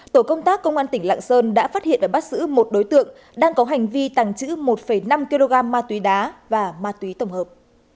tổ công tác công an tỉnh lạng sơn đã phát hiện và bắt giữ một đối tượng đang có hành vi tàng trữ một năm kg ma túy đá và ma túy tổng hợp